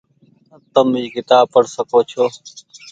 تم اي ڪتاب پڙ سکو ڇو۔